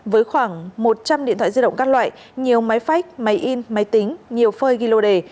với khoảng một trăm linh điện thoại di động các loại nhiều máy phách máy in máy tính nhiều phơi ghi lô đề